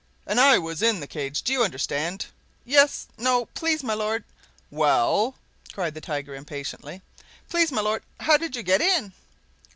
"And I was in the cage—do you understand?" "Yes—no— Please, my lord—" "Well?" cried the Tiger impatiently. "Please, my lord!—how did you get in?"